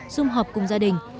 xung họp cùng gia đình